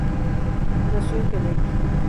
Nació en Quebec.